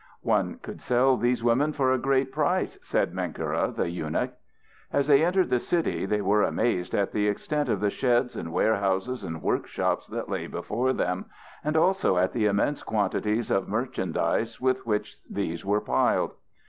"One could sell these women for a great price," said Menkera the eunuch. As they entered the city they were amazed at the extent of the sheds and warehouses and workshops that lay before them, and also at the immense quantities of merchandise with which these were piled.